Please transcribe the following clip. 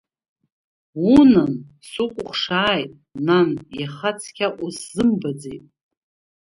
Уннан, сукәыхшааит, нан, иаха цқьа усзымбаӡеит!